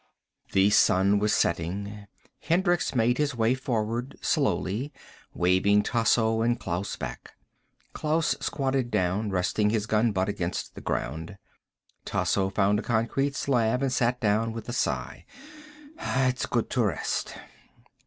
The sun was setting. Hendricks made his way forward slowly, waving Tasso and Klaus back. Klaus squatted down, resting his gun butt against the ground. Tasso found a concrete slab and sat down with a sigh. "It's good to rest."